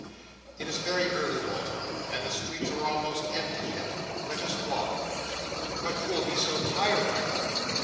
"It is very early, Walter, and the streets are almost empty yet. Let us walk." "But you will be so tired, my love."